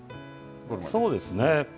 そうですね。